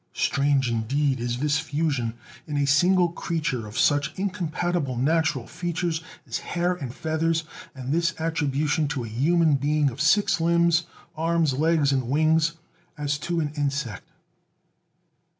Strange indeed is this fusion in a single creature of such incompatible natural features as hair and feathers, and this attribution to a human being of six limbs arms, legs and wings, as to an insect.